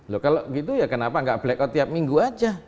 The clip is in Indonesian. loh kalau gitu ya kenapa nggak blackout tiap minggu aja